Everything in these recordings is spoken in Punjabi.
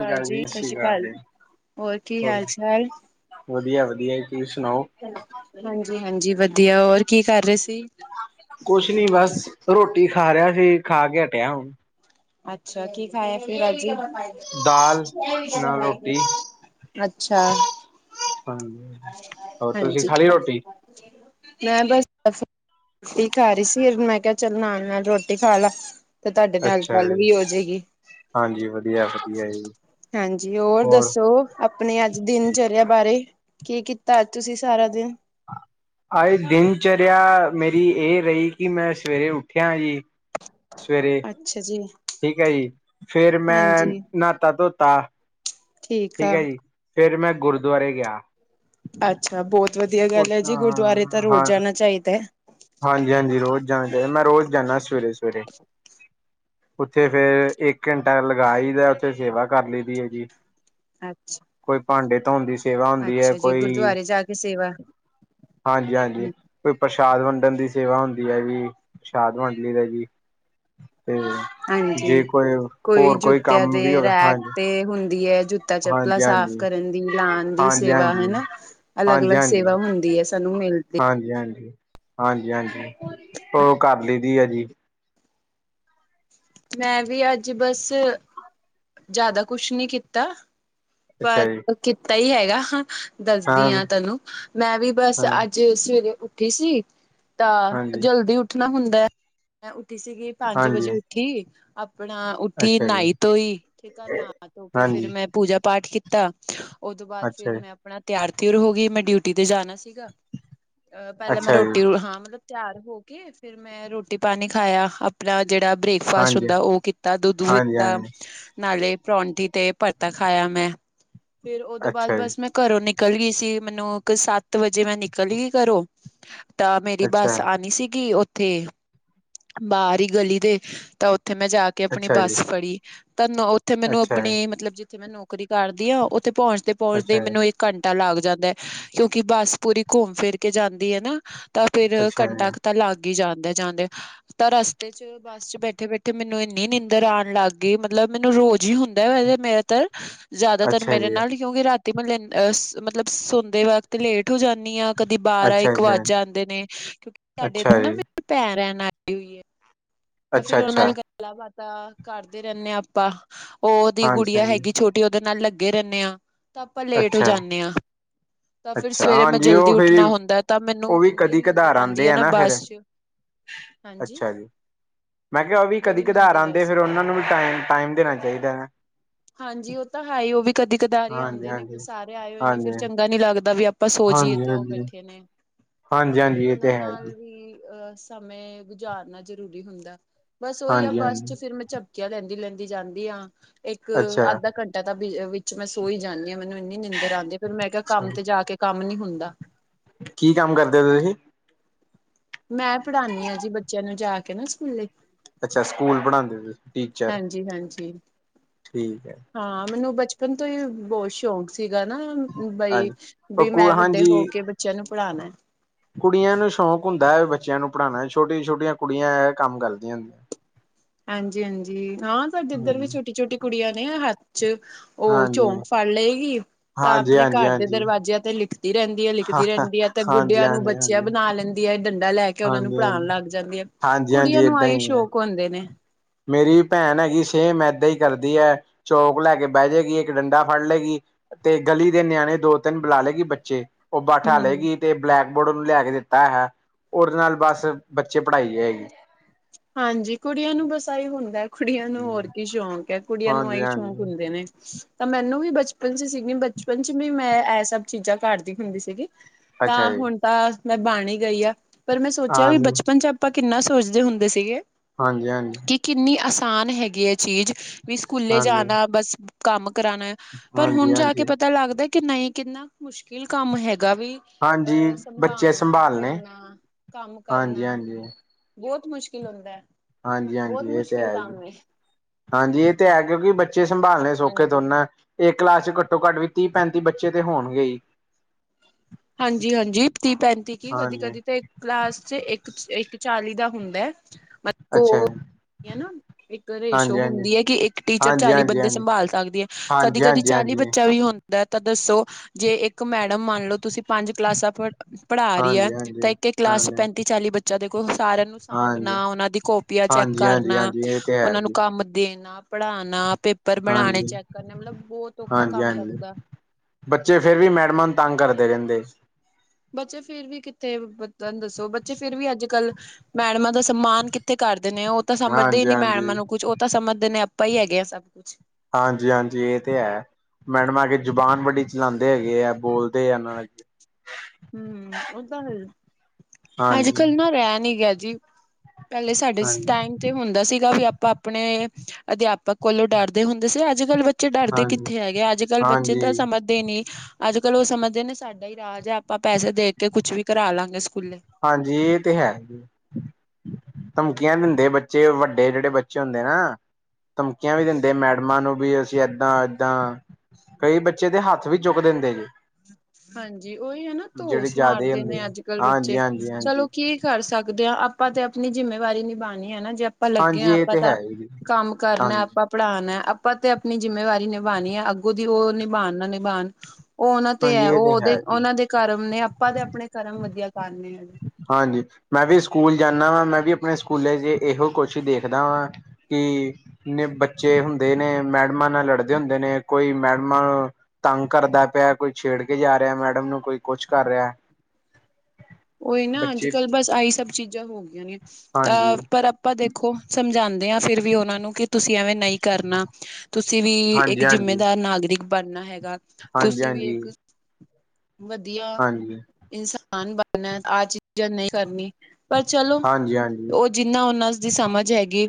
ਸਤੀ ਅਕਾਲ ਜੀ ਸਤਿ ਸ਼੍ਰੀ ਅਕਾਲ ਹੋਰ ਕੀ ਹਾਲ ਚਾਲ ਵਧੀਆ-ਵਧੀਆ ਜੀ ਤੁਸੀਂ ਸੁਣਾਓ? ਹਾਂਜੀ ਹਾਂਜੀ ਵਧੀਆ ਹੋਰ ਕੀ ਕਰ ਰਹੇ ਸੀ ਕੁਛ ਨੀ ਬਸ ਰੋਟੀ ਖਾ ਰਿਹਾ ਸੀ ਖਾ ਕੇ ਹਟਿਆ ਹੁਣ ਅੱਛਾ ਕੀ ਖਾਇਆ ਫਿਰ ਅਜ ਦਾਲ ਨਾਲ ਰੋਟੀ, ਅੱਛਾ। ਹਾਂਜੀ, ਹੋਰ ਤੁਸੀਂ ਹਾਂਜੀ ਖਾਲੀ ਰੋਟੀ। ਮੈਂ ਬਸ ਖੀਰ ਖਾ ਰਹੀ ਸੀ ਫਿਰ ਮੈਂ ਕਿਹਾ ਚੱਲ ਨਾਲ ਨਾਲ ਰੋਟੀ ਖਾ ਲਾ। ਤੇ ਤੁਹਾਡੇ ਨਾਲ ਅੱਛਾ ਗੱਲ ਜੀ, ਵੀ ਹੋਜਏਗੀ ਹਾਂਜੀ ਵਧੀਆ-ਵਧੀਆ ਜੀ, ਹਾਂਜੀ, ਹੋਰ ਦੱਸੋ। ਆਪਣੇ ਅੱਜ ਦਿਨਚਰਿਆ ਬਾਰੇ, ਕੀ ਕੀਤਾ ਅੱਜ ਤੁਸੀਂ ਸਾਰਾ ਦਿਨ? ਅੱਜ ਦਿਨਚਰਿਆ ਮੇਰੀ ਇਹ ਰਹੀ ਕਿ ਮੈਂ ਸਵੇਰੇ ਉੱਠਿਆ ਜੀ ਸਵੇਰੇ ਅੱਛਾ ਜੀ। ਠੀਕ ਐ ਜੀ ਫੇਰ ਮੈਂ ਹਾਂਜੀ ਨਹਾਤਾ ਧੋਤਾ ਠੀਕ ਐ ਜੀ ਫੇਰ ਮੈਂ ਗੁਰਦੁਆਰੇ ਗਿਆ। ਅੱਛਾ, ਬਹੁਤ ਵਧੀਆ ਉਹ ਗੱਲ ਏ ਜੀ, ਗੁਰਦੁਆਰੇ ਤਾਂ ਰੋਜ਼ ਹਾਂ ਜਾਣਾ ਚਾਹੀਦਾ ਐ। ਹਾਂਜੀ-ਹਾਂਜੀ, ਰੋਜ਼ ਜਾਣਾ ਚਾਹੀਦਾ। ਮੈਂ ਰੋਜ਼ ਜਾਂਦਾ ਸਵੇਰੇ-ਸਵੇਰੇ। ਉੱਥੇ ਫੇਰ ਇੱਕ ਘੰਟਾ ਲਗਾ ਆਈ ਦਾ, ਉੱਥੇ ਸੇਵਾ ਕਰ ਲਈ ਦੀ ਏ ਜੀ ਅੱਛਾ। ਕੋਈ ਭਾਂਡੇ ਧੋਂਦੀ ਸੇ ਸੇਵਾ ਹੁੰਦੀ ਹੈ ਅੱਛਾ ਜੀ ਕੋਈ, ਗੁਰਦੁਆਰੇ ਜਾ ਕੇ ਸੇਵਾ ਹਾਂਜੀ-ਹਾਂਜੀ, ਕੋਈ ਪ੍ਰਸ਼ਾਦ ਬ ਡਨ ਦੀ ਸੇਵਾ ਹੁੰਦੀ ਹੈ ਜੀ ਸ਼ਾਦ ਦਾ ਜੀ ਤੇ ਜੇ ਹਾਂਜੀ, ਕੋਈ ਕੋਈ ਹੋਰ ਜੁੱਤਿਆਂ ਕੰਮ ਤੇ ਵੀ ਹੋਵੇ ਰੈਕ ਹਾਂਜੀ ਤੇ ਹੁੰਦੀ ਹੈ ਜੁੱਤਾ ਚ ਚੱਪਲਾਂ ਹਾਂਜੀ ਹਾਂਜੀ ਸਾਫ਼ ਕਰਨ ਦੀ ਲਾਣ ਦੀ ਹਾਂਜੀ ਸੇਵਾ ਹੈਨਾ ਅਲੱਗ-ਅਲੱਗ ਸੇਵਾ ਹੁੰਦੀ ਹੈ ਸਾਨੂੰ ਮਿਲਦੀ ਹਾਂਜੀ-ਹਾਂਜੀ, ਹਾਂਜੀ-ਹਾਂਜੀ, ਉਹ ਕਰ ਲਈ ਦੀ ਆ ਜੀ। ਮੈਂ ਵੀ ਅੱਜ ਬਸ, ਜ਼ਿਆਦਾ ਕੁਛ ਨੀ ਕੀਤਾ ਅੱਛਾ ਜੀ ਕੀਤਾ ਹੀ ਹੈਗਾ। ਦੱਸਦੀ ਹਾਂ ਤੈਨੂੰ, ਮੈਂ ਵੀ ਬਸ ਹਾਂ ਅੱਜ ਸਵੇਰੇ ਉੱਠੀ ਸੀ ਤਾਂ ਹਾਂਜੀ ਜਲਦੀ ਉੱਠਣਾ ਹੁੰਦਾ ਏ, ਮੈਂ ਉੱਠੀ ਸੀਗੀ ਪੰਜ ਹਾਂਜੀ ਵਜੇ ਉੱਠੀ ਆਪਣਾ ਉੱਠੀ ਅੱਛਾ ਜੀ ਨਾਈ ਧੋਈ, ਠੀਕ ਆ ਨਹਾ ਧੋ ਕੇ ਫਿਰ ਹਾਂਜੀ ਮੈਂ ਪੂਜਾ ਪਾਠ ਕੀਤਾ ਉਹ ਤੋਂ ਬਾਅਦ ਅੱਛਾ ਫਿਰ ਜੀ ਮੈਂ ਆਪਣਾ ਤਿਆਰ ਤਉਰ ਹੋ ਗਈ, ਮੈਂ ਡਿਊਟੀ ਤੇ ਜਾਣਾ ਸੀਗਾ। ਅ ਪਹਿਲਾਂ ਮੈਂ ਅੱਛਾ ਜੀ ਰੋਟੀ ਹਾਂ ਮਤਲਬ ਤਿਆਰ ਹੋ ਕੇ ਫਿਰ ਮੈਂ ਰੋਟੀ ਪਾਣੀ ਖਾਇਆ ਆਪਣਾ ਜਿਹੜਾ ਬ੍ਰੇਕਫਾਸਟ ਹਾਂਜੀ ਹੁੰਦਾ, ਉਹ ਕੀਤਾ ਦੁਧੂ ਹਾਂਜੀ ਪੀਤਾ ਹਾਂਜੀ ਨਾਲੇ ਪਰੌਟੀ ਤੇ ਪਰਤਾ ਖਾਇਆ ਮੈਂ ਫੇਰ ਉਹਦੋਂ ਬਾਅਦ ਅੱਛਾ ਜੀ ਬਸ ਮੈਂ ਘਰੋਂ ਨਿਕਲ ਗਈ ਸੀ, ਮੈਨੂੰ ਸੱਤ ਵਜੇ ਮੈਂ ਨਿਕਲ ਗਈ ਘਰੋਂ ਤਾਂ ਮੇਰੀ ਅੱਛਾ ਬੱਸ ਆਣੀ ਸੀਗੀ ਉੱਥੇ ਬਾਹਰ ਹੀ ਗਲੀ ਦੇ ਤਾਂ ਉੱਥੇ ਮੈਂ ਜਾ ਕੇ ਆਪਣੀ ਅੱਛਾ ਬੱਸ ਜੀ ਫੜੀ, ਤਾਂ ਨੋ ਉੱਥੇ ਮੈਨੂੰ ਅੱਛਾ ਆਪਣੀ ਮਤਲਬ ਜਿੱਥੇ ਮੈਂ ਨੌਕਰੀ ਕਰਦੀ ਹਾਂ ਉੱਥੇ ਪੁੰਚਦੇ ਪਹੁੰਚਦੇ ਅੱਛਾ ਜੀ ਮੈਨੂੰ ਘੰਟਾ ਲੱਗ ਜਾਂਦਾ ਐ ਕਿਉਂਕਿ ਬੱਸ ਪੂਰੀ ਘੁੰਮ ਫਿਰ ਕੇ ਜਾਂਦੀ ਐ ਨਾ ਤਾਂ ਫਿਰ ਅੱਛਾ ਜੀ ਘੰਟਾ ਕ ਤਾਂ ਲੱਗ ਹੀ ਜਾਂਦੇ ਤਾਂ ਰਸਤੇ ਚ ਬੱਸ ਚ ਬੈਠੇ-ਬੈਠੇ ਮੈਨੂੰ ਇੰਨੀ ਨਿੰਂਦਰ ਆਣ ਲੱਗ ਗਈ ਮਤਲਬ ਮੈਨੂੰ ਰੋਜ਼ ਹੀ ਹੁੰਦਾ ਮੇਰਾ? ਜ਼ਿਆਦਾਤਰ ਅੱਛਾ ਮੇਰੇ ਜੀ ਨਾਲ ਕਿਉਂਕਿ ਰਾ ਤੇ, ਅਹ ਮਤਲਬ ਸੌਦੇ ਵਕਤ ਲੇਟ ਹੋ ਜਾਂਦੀ ਹਾਂ। ਕਦੀ ਅੱਛਾ ਬਾਰਾਂ-ਇੱਕ ਅੱਛਾ ਵੱਜ ਜਾਂਦੇ ਨੇ ਕਿਉਂਕਿ ਸਾਡੇ ਅੱਛਾ ਇੱਧਰ ਨਾ, ਜੀ ਮੇਰੇ ਭੈਣ ਰਹਿਣ ਆਈ ਹੋਈ ਐ। ਅੱਛਾ ਫਿਰ ਉਹ ਅੱਛਾ ਨਾਲ ਗੱਲਾਂ ਬਾਤਾਂ ਕਰਦੇ ਰਹਿੰਦੇ ਹਾਂ ਆਪਾਂ, ਉਹਦੀ ਹਾਂਜੀ ਗੁੜੀਆਂ ਹਾਂਜੀ ਹੈਗੀ। ਛੋਟੀ ਉਹਦੇ ਨਾਲ ਲੱਗੇ ਰਹਿੰਦੇ ਹਾਂ, ਤਾਂ ਆਪਾਂ ਲੇਟ ਹੋ ਜਾਂਦੇ ਆ। ਅੱਛਾ‌। ਹਾਂਜੀ, ਉਹ ਫਿਰ ਹੁੰਦਾ ਤਾਂ ਮੈਨੂੰ ਉਹ ਵੀ ਇੰਨੀ ਕਦੀ ਨੀਂਦਰ ਕਧਾਰ ਆਉਂਦੀ ਆਂਦੇ ਹੈ ਆ ਨਾ ਫਿਰ ਬੱਸ ਚ ਹਾਂਜੀ ਅੱਛਾ ਜੀ। ਮੈਂ ਕਿਹਾ ਉਹ ਵੀ ਕਦੀ ਬੜੀ ਕਧਾਰ ਨੀਂਦਰ ਆ ਆਂਦੇ, ਫਿਰ ਸੀ ਉਹਨਾ ਨੂੰ ਵੀ ਟਾਈਮ, ਟਾਈਮ ਦੇਣਾ ਚਾਹੀਦਾ। ਹਾਂਜੀ, ਉਹ ਤਾਂ ਐ ਹੀ, ਉਹ ਵੀ ਕਦੇ ਕਦਾਰੀ ਹਾਂਜੀ ਆਦੇ ਨੇ ਹਾਂਜੀ ਫਿਰ, ਸਾਰੇ ਆਏ ਹੋਏ ਨੇ ਹਾਂਜੀ ਫਿਰ ਚੰਗਾ ਨੀ ਲੱਗਦਾ ਵੀ। ਆਪਾਂ ਸੋਜੀਏ ਹਾਂਜੀ ਤੇ ਉਹ ਹਾਂਜੀ ਬੈਠੇ ਨੇ, ਹਾਂਜੀ ਹਾਂਜੀ ਫਿਰ ਇਹ ਉਹਨਾਂ ਤੇ ਹੈ ਜੀ ਨਾਲ ਵੀ ਅਹ ਸਮੇ ਗੁਜ਼ਾਰਨਾ ਜ਼ਰੂਰੀ ਹੁੰਦਾ। ਬਸ ਉਹੀ ਆ ਹਾਂਜੀ ਬੱਸ ਚ ਹਾਂਜੀ ਫਿਰ ਮੈਂ ਚੱਪ ਕੀਆਂ ਲੈਂਦੀ-ਲੈਂਦੀ ਜਾਂਦੀ ਆ, ਅੱਛਾ ਇੱਕ-ਅੱਧਾ ਘੰਟ ਤਾਂ ਵਿੱਚ ਮੈਂ ਸੋਈ ਜਾਂਦੀ ਹਾਂ, ਮੈਨੂੰ ਇੰਨੀ ਨਿੰਦਰ ਆਉਂਦੀ। ਫੇਰ ਮੈਂ ਕਿਹਾ ਅੱਛਾ ਕੰਮ ਤੇ ਜਾ ਕੇ ਕੰਮ ਨੀ ਹੁੰਦਾ। ਕੀ ਕੰਮ ਕਰਦੇ ਹੋ ਤੁਸੀਂ? ਮੈਂ ਪੜ੍ਹਾਉਦੀ ਹਾਂ ਜੀ ਬੱਚਿਆਂ ਨੂੰ ਜਾ ਕੇ ਨਾ ਸਕੂਲੇ ਅੱਛਾ। ਸਕੂਲ ਪੜ੍ਹਾਦੇ ਸੀ ਟੀਚਰ ਹਾਂਜੀ ਹਾਂਜੀ ਠੀਕ ਹੈ। ਹਾਂ। ਮੈਨੂੰ ਬਚਪਨ ਤੋਂ ਹੀ ਬਹੁਤ ਸ਼ੌਕ ਸੀਗਾ ਨਾ। ਬਈ ਹਾਂਜੀ ਵੀ ਉਹ ਕੁ ਮੈਂ ਵੱਡੇ ਹੋ ਹਾਂਜੀ ਕੇ ਬੱਚਿਆਂ ਨੂੰ ਪੜ੍ਹਾਉਣਾ। ਕੁੜੀਆਂ ਨੂੰ ਸ਼ੌਕ ਹੁੰਦਾ ਹੈ ਬੱਚਿਆਂ ਨੂੰ ਪੜ੍ਹਾਉਣਾ ਛੋਟੀਆਂ ਛੋਟੀਆਂ ਕੁੜੀਆਂ ਇਹ ਕੰਮ ਕਰਦੀਆਂ ਹੁੰਦੀਆਂ। ਹਾਂਜੀ - ਹਾਂਜੀ। ਹਾਂ ਜਿੱਧਰ ਵੀ ਹੁੰਦੀਆਂ ਛੋਟੀ ਛੋਟੀ ਕੁੜੀਆਂ ਨੇ ਹੱਥ ਚ, ਉਹ ਹਾਂਜੀ ਚੌਕ ਫੜ ਲਏਗੀ ਤਾਂ, ਹਾਂਜੀ ਆਪਣੇ ਹਾਂਜੀ ਹਾਂਜੀ ਘਰ ਦੇ ਹਾਂਜੀ ਦਰਵਾਜਿਆਂ ਤੇ ਲਿਖ, ਦੀ ਰਹਿੰਦੀ ਹੈ ਹਾਂ ਲਿਖਦੀ ਰਹਿੰਦੀ ਹੈ, ਤੇ ਹਾਂਜੀ ਗੁੱਡਿਆਂ ਨੂੰ ਹਾਂਜੀ ਬੱਚਿਆਂ ਹਾਂਜੀ ਬਣਾ ਲੈਂਦੀ ਹੈ, ਡੰਡਾ ਲੈ ਕੇ, ਉਹਨਾ ਨੂੰ ਹਾਂਜੀ ਹਾਂਜੀ ਪੜ੍ਹਾਉਣ ਲੱਗ ਜਾਂਦੀ ਹੈ। ਹਾਂਜੀ ਹਾਂਜੀ ਕੁੜੀਆਂ ਨੂੰ ਏਦਾਂ ਆਈ ਹੀ ਹੈ ਸ਼ੌਕ ਹੁੰਦੇ ਨੇ, ਮੇਰੀ ਵੀ ਭੈਣ ਹੈਗੀ, ਸੇਮ ਏਦਾਂ ਹੀ ਕਰਦੀ ਹੈ। ਚੌਕ ਲੈ ਕੇ ਬਹਿ ਜਾਏਗੀ ਇੱਕ ਡੰਡਾ ਫੜ ਲਏਗੀ। ਤੇ ਗਲੀ ਦੇ ਨਿਆਣੇ ਦੋ ਤਿੰਨ ਬੁਲਾ ਲਏਗੀ ਬੱਚੇ ਉਹ ਹਮ ਬੇਠਾਲੇਗੀ ਤੇ ਬਲੈਕ ਬੋਰਡ ਉਨੂੰ ਲੈ ਕੇ ਦਿੱਤਾ ਹੈ। ਉਹਦੇ ਨਾਲ ਬਸ, ਬੱਚੇ ਪੜ੍ਹਾਈ ਹੈਗੀ ਆ। ਹਾਂਜੀ। ਕੁੜੀਆਂ ਨੂੰ ਬਸ ਆ ਹੀ ਹੁੰਦਾ ਕੁੜੀਆਂ ਨੂੰ ਹੋਰ ਕੀ ਸ਼ੌਂਕ ਹੈ। ਕੁੜੀਆਂ ਨੂੰ ਹਾਂਜੀ ਆਹੀ ਸ਼ੌਂਕ ਹਾਂਜੀ ਹੁੰਦੇ ਨੇ। ਤਾਂ ਮੈਨੂੰ ਵੀ ਬਚਪਨ ਚ ਸੀਗੀ ਬਚਪਨ ਚ ਵੀ, ਮੈਂ ਇਹ ਸਭ ਚੀਜ਼ਾਂ ਕਰਦੀ ਹੁੰਦੀ ਸੀਗੀ। ਤਾਂ ਅੱਛਾ ਜੀ ਹੁਣ ਤਾਂ ਮੈਂ ਬਣ ਹੀ ਗਈ ਆ ਪਰ ਮੈਂ ਸੋਚਿਆ ਵੀ ਹਾਂਜੀ ਬਚਪਨ ਚ, ਆਪਾਂ ਕਿੰਨਾ ਸੋਚਦੇ ਹੁੰਦੇ ਸੀਗੇ। ਹਾਂਜੀ- ਹਾਂਜੀ। ਇਹ ਕਿੰਨੀ ਆਸਾਨ ਹੈਗੀ ਹੈ ਚੀਜ਼ ਵੀ ਸਕੂਲੇ ਹਾਂਜੀ ਜਾਣਾ ਬਸ ਕੰਮ ਕਰਾਉਣਾ। ਪਰ ਹਾਂਜੀ ਹੁਣ ਜਾ ਕੇ ਹਾਂਜੀ ਪਤਾ ਲੱਗਦਾ ਕਿ ਨਹੀ ਕਿੰਨਾ ਮੁਸ਼ਕਿਲ ਕੰਮ ਹੈਗਾ ਵੀ ਹਾਂਜੀ ਅਹ ਬੱਚੇ ਸੰਭਾਲਣਾ ਸੰਭਾਲਣੇ ਫਿਰਨਾ। ਕੰਮ ਹਾਂਜੀ ਕਰਨਾ ਹਾਂਜੀ ਬਹੁਤ ਮੁਸ਼ਕਿਲ ਹੁੰਦਾ ਹੈ। ਹਾਂਜੀ - ਹਾਂਜੀ। ਇਹ ਤੇ ਹੈ ਜੀ। ਹਾਂਜੀ। ਇਹ ਤੇ ਹੈ ਕਿਉਂਕਿ ਬੱਚੇ ਸੰਭਾਲਣੇ ਸੌਖੇ ਹਾਂਜੀ। ਥੋੜੀ ਨਾ ਹੇ। ਇਕ ਕਲਾਸ ਚ, ਘੱਟੋ ਘੱਟ ਵੀ, ਤੀਹ ਪੈਂਤੀ ਬੱਚੇ ਤੇ ਹੋਣਗੇ ਹੀ। ਹਾਂਜੀ- ਹਾਂਜੀ। ਤੀਹ ਪੈਂਤੀ ਕੀ ਕਦੀ ਹਾਂਜੀ ਕਦੀ ਤੇ ਕਲਾਸ ਚ, ਇੱਕ ਇੱਕ ਚਾਲੀ ਦਾ ਹੁੰਦਾ ਹੈ। ਮਤਲਬ ਅੱਛਾ। ਹੈਨਾ। ਇੱਕ ਰੇਸ਼ੋ ਹਾਂਜੀ ਹਾਂਜੀ ਹੁੰਦੀ ਹੈ ਕਿ, ਇੱਕ ਟੀਚਰ ਹਾਂਜੀ ਚਾਲੀ ਹਾਂਜੀ ਹਾਂਜੀ ਬੰਦੇ ਸੰਭਾਲ ਸਕਦੀ ਹੈ ਕਦੀ ਹਾਂਜੀ ਕਦੀ ਹਾਂਜੀ ਚਾਲੀ ਹਾਂਜੀ ਬੱਚਾ ਵੀ ਹੁੰਦਾ। ਤਾਂ ਦੱਸੋ ਜੇ ਇੱਕ ਮੈਡਮ ਮੰਨ ਲਓ ਤੁਸੀਂ ਪੰਜ ਕਲਾਸਾਂ। ਪੜ੍ਹਾ ਰਹੀ ਹੈ ਹਾਂਜੀ ਹਾਂਜੀ ਤਾਂ ਇੱਕ ਇੱਕ ਕਲਾਸ ਚ, ਹਾਂਜੀ ਪੈਂਤੀ ਚਾਲੀ ਬੱਚਿਆਂ ਦੇ ਕੋਲ ਸਾਰਿਆਂ ਨੂੰ। ਸਾਂਭਣਾ ਹਾਂਜੀ ਉਹਨਾਂ ਦੀ ਕਾਪੀਆਂ ਚੈਕ ਹਾਂਜੀ ਹਾਂਜੀ ਕਰਨਾ ਹਾਂਜੀ ਇਹ ਤੇ ਹੈ ਉਹਨਾਂ ਨੂੰ ਜੀ ਕੰਮ ਦੇਣਾ ਪੜ੍ਹਾਣਾ ਪੇ ਪੇਪਰ ਬਣਾਉਣੇ ਹਾਂਜੀ ਚੈਕ ਕਰਨੇ ਮਤਲਬ ਬਹੁਤ ਔਖਾ ਹਾਂਜੀ ਕੰਮ ਹਾਂਜੀ ਲੱਗਦਾ। ਬੱਚੇ ਫੇਰ ਵੀ ਮੈਡਮਾਂ ਨੂੰ ਤੰਗ ਕਰਦੇ ਰਹਿੰਦੇ। ਬੱਚੇ ਫੇਰ ਵੀ ਕਿੱਥੇ ਤੁਹਾਨੂੰ ਦੱਸੋ ਬੱਚੇ ਫੇਰ ਵੀ ਅੱਜ ਕੱਲ ਮੈਡਮਾਂ ਦਾ ਸਨਮਾਨ ਕਿੱਥੇ ਕਰਦੇ ਨੇ ਉਹ ਤਾਂ ਸਮਝਦੇ ਹੀ ਹਾਂਜੀ ਨੀ ਹਾਂਜੀ ਮੈਡਮਾਂ ਨੂੰ ਕੁੱਝ ਤਾਂ ਸਮਝਦੇ ਨੇ ਆਪਾਂ ਹੀ ਹੈਗੇ ਹਾਂ ਸਭ ਕੁੱਛ ਹਾਂਜੀ - ਹਾਂਜੀ। ਇਹ ਤੇ ਹੈ। ਮੈਡਮ ਆ ਕੇ ਜੁਬਾਨ ਵੜੀ ਚਲਾਉਂਦੇ ਹੈਗੇ ਆ ਬੋਲਦੇ ਆ ਹਮ। ਉਹ ਤਾਂ ਹੈ ਅੱਜ ਹਾਂਜੀ। ਕੱਲ ਨਾ ਰਹਿ ਨੀ ਗਿਆ ਜੀ। ਪਹਿਲੇ ਸਾਡੇ ਟਾਈਮ ਤੇ ਹੁੰਦਾ ਸੀਗਾ ਵੀ ਆਪਾਂ ਆਪਣੇ ਅਧਿਆਪਕ ਕੋਲੋਂ ਡਰਦੇ ਹੁੰਦੇ ਸੀ ਅੱਜ ਕੱਲ੍ਹ ਬੇ ਬੱਚੇ ਡਰਦੇ ਕਿੱਥੇ ਹੈਗੇ ਅੱਜ ਕੱਲ੍ਹ ਬੱਚੇ ਤਾਂ ਹਾਂਜੀ-ਹਾਂਜੀ-ਹਾਂਜੀ-ਹਾਂਜੀ ਸਮਝਦੇ ਨੀ ਅੱਜ ਕੱਲ ਉਹ ਸਮਝਦੇ ਨੇ ਸਾਡਾ ਹੀ ਰਾਜ ਹੈ। ਆਪਾਂ ਪੈਸੇ ਦੇ ਕੇ ਕੁਛ ਵੀ ਕਰਾ ਲਵਾਂਗੇ ਸਕੂਲੇ। ਹਾਂਜੀ। ਇਹ ਤੇ ਹੈ ਜ ਧਮਕੀਆਂ ਦਿੰਦੇ ਬੱਚੇ ਵੱਡੇ ਜਿਹੜੇ ਬੱਚੇ ਹੁੰਦੇ ਨਾ ਧਮਕੀਆਂ ਵੀ ਦਿੰਦੇ ਮੈਡਮਾਂ ਨੂੰ ਵੀ ਅਸੀਂ ਏਦਾਂ-ਏਦਾ। ਕਈ ਬੱਚੇ ਦੇ ਹੱਥ ਵੀ ਚੁੱਕ ਦਿੰਦੇ ਜੇ੍। ਹਾਂਜੀ ਓਹੀ ਐ ਨਾ ਧੋਸ ਜ਼ਿਆਦਾ ਮਾਰਦੇ ਹੁੰਦੇ ਨੇ ਆ ਅੱਜ-ਕੱਲ੍ਹ ਬੱਚੇ ਚਲੋ ਹਾਂਜੀ-ਹਾਂਜੀ-ਹਾਂਜੀ। ਕੀ ਕਰ ਸਕਦੇ ਹਾਂ ਆਪਾਂ ਤੇ ਆਪਣੀ ਜਿੰਮੇਵਾਰੀ ਨਿਭਾਣੀ ਐ ਜੇ ਆਪਣੀ ਆਪਾਂ ਲੱਗੇ ਹਾਂਜੀ ਹਾਂ ਹਾਂਜੀ ਹਾਂਜੀ ਇਹ ਆਪਾਂ ਤੇ ਤਾਂ ਹੈ ਜੀ ਕੰਮ ਕਰਨਾ ਆਪਾਂ ਹਾਂਜੀ-ਹਾਂਜੀ ਪੜ੍ਹਾਣਾ ਹੈ ਆਪਾਂ ਤੇ ਆਪਣੀ ਜਿੰਮੇਵਾਰੀ ਨਿਭਾਣੀ ਏ ਅੱਗੋਂ ਦੀ ਉਹ ਨਿਭਾਣ ਨਾ ਨਿਭਾਣ ਉਹ ਉਹਨਾਂ ਤੇ ਹੈ ਉਹ ਉਹਦੇ ਉਹਨਾਂ ਦੇ ਕਰਮ ਨੇ ਆਪਾਂ ਤੇ ਆਪਣੇ ਕਰਮ ਵਧੀਆ ਕਾਰਨੇ ਐ। ਹਾਂਜੀ ਮੈਂ ਵੀ ਸਕੂਲ ਜਾਂਦਾ ਵਾਂ ਮੈਂ ਵੀ ਆਪਣੇ ਸਕੂਲੇ ਚ ਇਹੋ ਕੁਛ ਦੇਖਦਾ ਵਾਂ ਕਿ ਨ ਬੱਚੇ ਹੁੰਦੇ ਨੇ, ਮੈਡਮਾਂ ਨਾਲ ਲੜਦੇ ਹੁੰਦੇ ਨੇ, ਕੋਈ ਮੈਡਮਾਂ ਤੰਗ ਕਰਦਾ ਪਿਆ, ਕੋਈ ਛੇੜ ਕੇ ਜਾ ਰਿਹਾ ਮੈਡਮ ਨੂੰ, ਕੋਈ ਕੁਛ ਕਰ ਰਿਹਾ। ਉਹੀ ਨਾ ਬੱਚੇ ਅੱਜ-ਕੱਲ੍ਹ ਬਸ ਆਹੀ ਸਭ ਚੀਜ਼ਾਂ ਹੋ ਗਈਆਂ ਨੇ ਤਾਂ ਹਾਂਜੀ ਪਰ ਆਪਾਂ ਦੇਖ ਖੋ ਸਮਝਾਦੇ ਆਾਂ ਫਿਰ ਵੀ ਉਹਨਾਂ ਨੂੰੰ ਤੁਸੀਂ ਐਵੇਂ ਨਹੀਂ ਕਰਨਾ ਤੁਸੀਂ ਵੀ ਹਾਂਜੀ ਇੱਕ ਜਿੰਮੇਦਾਰ ਨਾਗਰਿਕ ਬਣਨਾ ਹੈਗਾ। ਤੁਸੀਂ ਵੀ ਹਾਂਜੀ-ਹਾਂਜੀ। ਇੱਕ ਵਧੀਆ ਇਨਸਾਨ ਬਣਨਾ ਆਹ ਚੀਜ਼ਾਂ ਨਹੀਂ ਕਰਨੀ। ਪਰ ਚਲੋ ਹਾਂਜੀ ਹਾਂਜੀ ਉਹ ਜਿੰਨਾ ਉਹਨਾਂ ਦੀ ਸਮਝ ਹੈਗੀ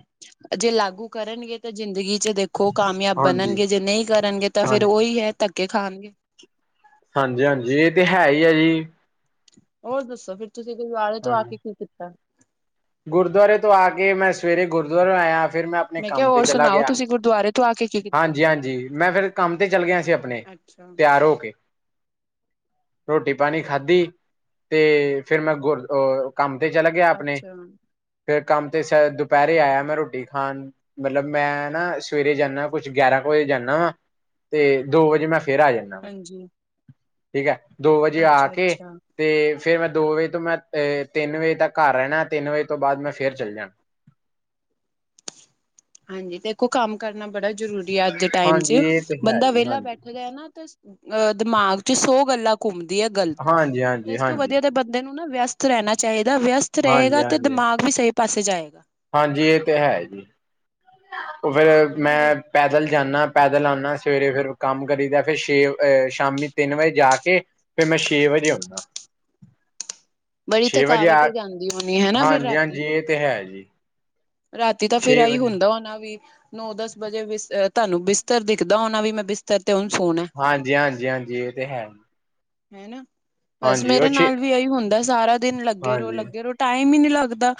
ਜੇ ਲਾਗੂ ਕਰਨਗੇ ਤਾਂ ਜ਼ਿੰਦਗੀ ਚ ਦੇਖੋ ਖੋ ਕਾਮਯਾਬ ਹਾਂਜੀ ਬਣਨਗੇ ਜੇ ਨਹੀਂ ਕਰਨਗੇ ਤਾਂ ਫੇਰ ਹਾਂਜੀ ਉਹੀ ਹੈ ਧੱਕੇ ਖਾਣਗੇ ਭੱਜ ਲੰਮ। ਹਾਂਜੀ ਹਾਂਜੀ ਇਹ ਤੇ ਹੈ ਹੀ ਆ ਜੀ। ਹੋਰ ਦੱਸੋ ਫਰ ਤੁਸੀਂ ਗੁਰਦੁਆਰੇ ਤੋਂ ਆ ਹਾਂਜੀ ਕੇ ਕੀ ਕੀਤਾ? ਗੁਰਦੁਆਰੇ ਤੋਂ ਆ ਕੇ ਮੈਂ ਸਵੇਰੇ ਗੁਰਦੁਆਰੇ ਆਇਆ ਫਿਰ ਮੈਂ ਆਪਣੇ ਕਿਹਾ ਕੰਮ ਤੇ ਹੋਰ ਚਲਾ ਸੁਣਾਓ ਗਿਆ ਤੁਸੀਂ ਗੁਰਦੁਆਰੇ ਤੋਂ ਆ ਕੇ ਕੀ ਕੀਤਾ ਹਾਂਜੀ-ਹਾਂਜੀ ਮੈਂ ਫਿਰ ਕੰਮ ਤੇ ਚੱਲ ਗਿਆ ਸੀ ਆਪਣੇ ਅੱਛਾ ਤਿਆਰ ਹੋ ਕੇ ਰੋਟੀ ਪਾਣੀ ਖਾਧੀ ਤੇ ਫਿਰ ਮੈਂ ਗੁਰ ਕੰਮ ਤੇ ਚਲਾ ਗਿਆ ਆਪਣੇ ਅੱਛਾ ਫੇਰ ਕੰਮ ਤੇ ਸ ਦੁਪਹਿਰੇ ਆਇਆ ਮੈਂ ਰੋਟੀ ਖਾਣ ਮਤਲਬ ਮੈਂ ਨਾ ਸਵੇਰੇ ਜਾਂਦਾ ਕੁਛ ਗਿਆਰਾਂ ਕੁ ਵਜੇ ਜਾਂਣਾ ਵਾ ਤੇ ਦੋ ਵਜੇ ਮੈਂ ਫੇਰ ਆ ਜਾਨਾ। ਹਾਂਜੀ। ਠੀਕ ਹੈ ਦੋ ਵਜੇ ਆ ਅੱਛਾ ਕੇ ਅੱਛਾ ਤੇ ਫੇਰ ਮੈਂ ਦੋ ਵਜੇ ਤੋਂ ਮੈਂ ਅ ਤਿੰਨ ਵਜੇ ਤੱਕ ਘਰ ਰਹਿਣਾ, ਤਿੰਨ ਵਜੇ ਤੋਂ ਬਾਅਦ ਮੈਂ ਫਿਰ ਚੱਲ ਜਾਣਾ। ਹਾਂਜੀ ਤੇਖੋ ਕੰਮ ਕਰਨਾ ਬੜਾ ਜ਼ਰੂਰੀ ਹੈ ਅੱਜ ਦੇ ਟਾਈਮ ਚ ਹਾਂਜੀ ਇਹ ਤੇ ਹੈ ਬੰਦਾ ਜੀ ਵਿਹਲਾ ਹਾਂਜੀ ਬੈਣ ਦਾ ਨਾ ਅਹ ਦਿਮਾਗ ਚ ਸੋ ਗੱਲਾਂ ਘੁੰਮਦੀ ਹੈ ਗ਼ਲਤ ਹਾਂਜੀ ਤੇ ਹਾਂਜੀ ਇਸ ਤੋਂ ਹਾਂਜੀ ਵਧੀਆ ਤੇ ਬੰਦੇ ਨੂੰ ਨਾ ਵਿਅਸਤ ਰਹਿਣਾ ਚਾਹੀਦਾ ਵਿਅਸਤ ਹਾਂਜੀ ਰਹੇਗਾ ਤੇ ਹਾਂਜੀ ਦਿਮਾਗ ਵੀ ਸਹੀ ਪਾਸੇ ਜਾਏਗਾ। ਹਾਂਜੀ ਇਹ ਤੇ ਹੈ ਜੀ ਉਹ ਫਿਰ ਹਨਾ ਜੀ ਮੈਂ ਪੈਦਲ ਜਾਂਣਾ ਪੈਦਲ ਆਣਾ ਸਵੇਰੇ ਫਿਰ ਕੰਮ ਕਰੀਦਾ ਫਿਰ ਛੇ ਅਹ ਸ਼ਾਮੀ ਤਿੰਨ ਵਜੇ ਜਾ ਕੇ ਫਿਰ ਮੈਂ ਛੇ ਵਜੇ ਆਉਣਾ। ਬੜੀ ਵਜੇ ਥਕਾਵਟ ਆ ਹੋ ਜਾਂਦੀ ਹੋਣੀ ਹੈ ਫਿਰ ਹਾਂਜੀ ਰਾਤੀ ਹਾਂਜੀ ਇਹ ਤੇ ਹੈ ਜੀ ਰਾਤੀ ਤਾਂ ਫੇਰ ਛੇ ਆਹੀ ਵਜੇ ਹੁੰਦਾ ਹੋ ਨਾ ਵੀ ਨੋ-ਦਸ ਵਜੇ ਬ ਤੁਹਾਨੂੰ ਬਿਸਤਰ ਦਿਖਦਾ ਹੋਣਾ ਵੀ ਮੈਂ ਬਿਸਤਰ ਤੇ ਹੁਣ ਸੋਣਾ। ਹਾਂਜੀ-ਹਾਂਜੀ-ਹਾਂਜੀ ਇਹ ਤੇ ਹੈ। ਹਨਾ ਬਸ ਹਾਂਜੀ ਉਹ ਮੇਰੇ ਛੇ ਨਾਲ ਵੀ ਇਹੀ ਹੁੰਦਾ ਸਾਰਾ ਦਿਨ ਲੱਗੇ ਰੋ ਹਾਂਜੀ ਲੱਗੇ ਰੋ ਟਾਈਮ ਹੀ ਨਹੀਂ ਲੱਗਦਾ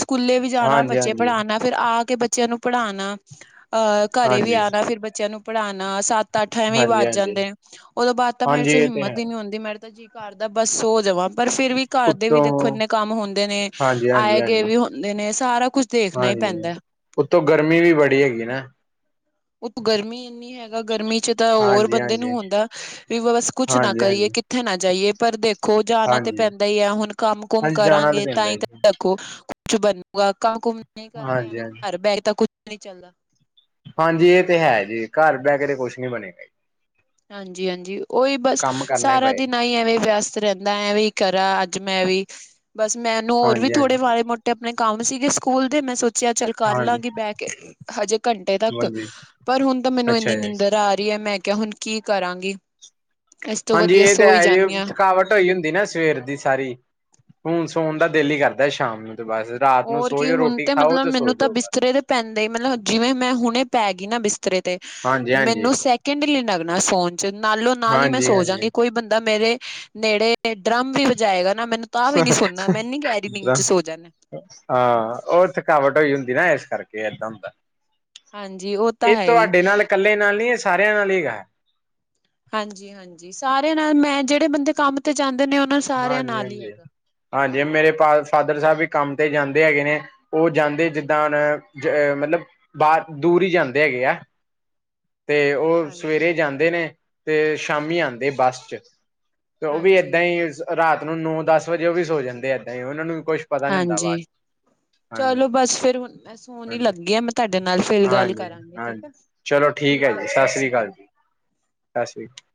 ਸਕੂਲੇ ਵੀ ਜਾਣਾ ਹਾਂਜੀ ਹਾਂਜੀ ਬੱਚੇ ਪੜ੍ਹਾਣਾ ਫਿਰ ਆ ਕੇ ਬੱਚਿਆਂ ਨੂੰ ਪੜ੍ਹਾਣਾ ਅਹ ਘਰੇ ਵੀ ਹਾਂਜੀ ਆਣਾ ਫਿਰ ਬੱਚਿਆਂ ਨੂੰ ਪੜ੍ਹਾਣਾ ਸਤ ਤਾਂ ਅੱਠ ਐਵੇਂ ਹੀ ਹਾਂਜੀ ਵੱਜ ਹਾਂਜੀ ਜਾਂਦੇ ਨੇ ਉਹਦੋਂ ਬਾਅਦ ਤਾਂ ਮੇਰੇ ਹਾਂਜੀ ਚ ਇਹ ਤੇ ਹਿੰਮਤ ਹੈ ਹੀ ਨੀ ਹੂਦੀ ਮੇਰੇ ਜੀ ਕਾਰਦਾ ਬਸ ਸੋ ਜਾਵਾਂ ਪਰ ਫੇਰ ਵੀ ਘਰ ਦੇ ਵੀ ਉੱਤੋਂ ਦੇਖੋ ਇੰਨੇ ਕੰਮ ਹੁੰਦੇ ਨੇ ਹਾਂਜੀ ਹਾਂਜੀ ਆਏ ਗਏ ਹਾਂਜੀ ਵੀ ਹੁੰਦੇ ਨੇ ਸਾਰਾ ਕੁਛ ਦੇਖਣਾ ਹੀ ਹਾਂਜੀ, ਪੈਂਦਾ ਉੱਤੋਂ ਗਰਮੀ ਵੀ ਬੜੀ ਹੈਗੀ ਨਾ, ਉਹ ਗਰਮੀ ਇੰਨੀ ਹੈਗਾ, ਗਰਮੀ ਚ ਤਾਂ ਹੋਰ ਹਾਂਜੀ ਬੰਦੇ ਹਾਂਜੀ ਨੂੰ ਹੁੰਦਾ। ਵੀ ਬਸ ਕੁਛ ਨਾ ਹਾਂਜੀ ਕਰੀਏ ਹਾਂਜੀ ਕਿੱਥੇ ਨਾ ਜਾਈਏ, ਪਰ ਦੇਖੋ ਜਾਣਾ ਤਾਂ ਹਾਂਜੀ ਪੈਂਦਾ ਹੀ ਹੈ, ਹੁਣ ਕੰਮ ਕੁਮ ਕਰਾਂਗੇ। ਤਾਂ ਨਈ। ਹੀ ਦੇਖੋ ਕੁਛ ਬਣੂਗਾਮ ਨਹੀਂ ਕਰਾਂਗੇ, ਹਾਂਜੀ ਹਾਂਜੀ ਘਰ ਬਹਿ ਤਾਂ ਕੁਛ ਨਹੀਂ ਚੱਲਦਾ। ਹਾਂਜੀ ਇਹ ਤੇ ਹੈ ਜੀ, ਘਰ ਬਹਿ ਕੇ ਤੇ ਕੁਛ ਨੀ ਬਣੇਗਾ। ਹਾਂਜੀ-ਹਾਂਜੀ ਉਹੀ ਬਸ ਕੰਮ ਕਰਨਾ ਹੀ ਸਾਰਾ ਪਏਗਾ ਦਿਨ ਹੀ ਐਵੇਂ ਵਿਅਸ ਤੇ ਰਹਿਦਾ ਐ ਵੀ ਕਰਾਂ ਅੱਜ ਮੈਂ ਵੀ ਬਸ ਮੈਂ ਇਹਨੂੰ ਹੋਰ ਵੀ ਹਾਂਜੀ ਹਾਂਜੀ ਥੋੜੇ ਮਾੜੇ ਮੋਟੇ ਆਪਣੇ ਕੰਮ ਸੀਗੇ ਸਕੂਲ ਦੇ ਮੈਂ ਸੋਚਿਆ ਚੱਲ ਕਰ ਹਾਂਜੀ ਲਾਂਗੀ, ਬਹਿ ਕੇ, ਹਜੇ ਘੰਟੇ ਤੱਕ ਹਾਂਜੀ ਪਰ ਹੁਣ ਤਾਂ ਮੈਨੂੰ ਅੱਛਾ ਇੰਨੀ ਜੀ ਨਿੰਦਰ ਆ ਰਹੀ ਹੈ, ਮੈਂ ਕਿਹਾ ਹੁਣ ਕੀ ਕਰਾਂਗੀ। ਇਸ ਤੋਂ ਹਾਂਜੀ ਵਧੀਆ ਇਹ ਤਾਂ ਸੋ ਹੀ ਹੈ, ਜੀ ਜਾਂਦੀ ਹਾਂ ਥਕਾਵਟ ਟੋਈ ਹੁੰਦੀ ਨਾ ਸਵੇਰ ਦੀ ਸਾਰੀ ਹੁਣ ਸੋਣ ਦਾ ਦਿਲ ਹੀ ਕਰਦਾ, ਸ਼ਾਮ ਨੂੰ ਤੇ ਬਸ ਰਾਤ ਨੂੰ ਹੋਰ ਸੋ ਕੀ ਜਾਓ ਹੁਣ ਰੋਟੀ ਤੇ ਖਾਓ ਮਤਲਬ ਸੋ ਮੈਨੂੰ ਤਾਂ ਜਾਓ ਬਸ ਬਿਸਤਰੇ ਦੇ ਪੈਂਦੇ ਮਤਲਬ ਜਿਵੇਂ, ਮੈਂ ਹੁਣੇ ਪੈ ਗਈ ਨਾ ਬਿਸਤਰੇ ਤੇ ਹਾਂਜੀ ਹਾਂਜੀ ਮੈਨੂੰ ਸ ਕਿੰਡਲੀ ਲੱਗਣਾ ਸੋਨ ਚ ਨਾਲੋ ਨਾਲ ਹੀ ਮੈਂ ਹਾਂਜੀ ਸੋ ਹਾਂਜੀ ਜਾਾਗੀ, ਕੋਈ ਬੰਦਾ ਮੇਰੇ ਨੇੜੇ ਡਰਮ ਵੀ ਵਜਾਏਗਾ, ਨਾ ਮੈਨੂੰ ਤਾਂ ਵੀ ਨੀ ਸੁਣਨਾ ਮੈਂ ਨੀ ਕਹਿਰੀ ਨੀਂਦ ਚੇ ਸੋ ਜਾਨੀ, ਹਾਂ ਉਹ ਥਕਾਵਟ ਹੋਈ ਹੁੰਦੀ ਨਾ, ਇਸ ਕਰਕੇ ਏਦਾਂ ਹੁੰਦਾ। ਹਾਂਜੀ ਉਹ ਤਾਂ ਇਹ ਹੈ ਹੀ ਤੁਹਾਡੇ ਨਾਲ ਇਕੱਲੇ ਨਾਲ ਨੀ ਇਹ ਸਾਰਿਆਂ ਨਾਲ ਹੀ ਗ ਹਾਂਜੀ-ਹਾਂਜੀ, ਸਾਰਿਆਂ ਨਾਲ ਮੈਂ ਜਿਹੜੇ ਬੰਦੇ ਕੰਮ ਤੇ ਜਾਂਦੇ ਨੇ ਉਹਨਾਂ ਸਾਰਿਆਂ ਹਾਂਜੀ ਨਾਲ ਹੀ ਹੈ। ਹਾਂਜੀ ਹਾਂਜੀ, ਮੇਰੇ ਫ ਫਾਦਰ ਸਾਹਿਬ ਵੀ ਕੰਮ ਤੇ ਜਾਂਦੇ ਹੈਗੇ ਨੇ, ਉਹ ਜਾਂਦੇ ਜਿੱਦਾਂ ਮਤਲਬ ਬਾਹਰ ਦੂਰ ਹੀ ਜਾਂਦੇ ਹੈਗੇ ਆ। ਤੇ ਉਹ ਹਾਂਜੀ ਸਵੇਰੇ ਜਾਂਦੇ ਨੇ ਤੇ ਸ਼ਾਮੀ ਆਉਂਦੇ ਬੱਸ ਚ ਤੇ ਉਹ ਵੀ ਹਾਂਜੀ ਏਦਾਂ ਹੀ ਰਾਤ ਨੂੰ ਨੌ ਦਸ ਵਜੇ ਉਹ ਵੀ ਸੋ ਜਾਂਦੇ, ਏਦਾਂ ਹੀ ਉਹਨਾਂ ਨੂੰ ਕੁੱਛ ਪਤਾ ਨੀ ਹੁੰਦਾ ਬਾਅਦ ਹਾਂਜੀ ਹਾਂਜੀ ਚਲੋ ਬਸ ਫੇਰ ਮੈਂ ਸੋਹਣ ਹਾਂਜੀ ਲੱਗੀ ਆ, ਮੈਂ ਤੁਹਾਡੇ ਨਾਲ ਫਿਰ ਗੱਲ ਕਰਾਂਗੀ। ਹਾਂ ਠੀਕ ਆ ਚਲੋ ਠੀਕ ਹੈ, ਜੀ ਸਤਿ ਸ੍ਰੀ ਅਕਾਲ, ਜੀ ਸਤਿ ਸ੍ਰੀ ਅਕਾਲ।